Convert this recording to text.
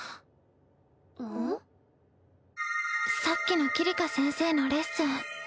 さっきの桐香先生のレッスン